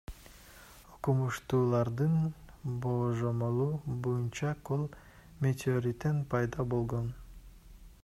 Окумуштуулардын божомолу боюнча көл метеориттен пайда болгон.